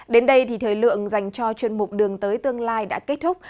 đến đây thì thời lượng dành cho chuyên mục đường tới tương lai đã kết thúc